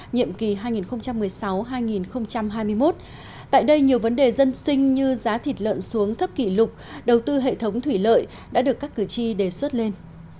nhiệm kỳ hai nghìn một mươi sáu hai nghìn hai mươi một tại đây nhiều vấn đề dân sinh như giá thịt lợn xuống thấp kỷ lục đầu tư hệ thống thủy lợi đã được các cử tri đề xuất lên